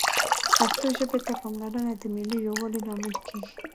پښتو ژبې ته پاملرنه د ملي یووالي لامل کېږي